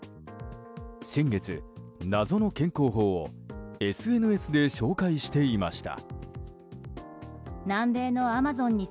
先月、謎の健康法をＳＮＳで紹介していました。